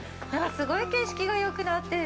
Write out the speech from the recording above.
すごい景色がよくなってる。